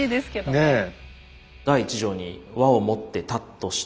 ねえ。